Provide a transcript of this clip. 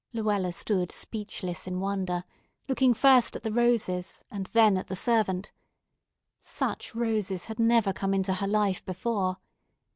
Luella stood speechless in wonder, looking first at the roses and then at the servant. Such roses had never come into her life before.